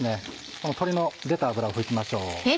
この鶏の出た脂を拭きましょう。